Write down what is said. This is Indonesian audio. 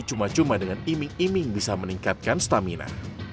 cuma cuma dengan iming iming bisa meningkatkan stamina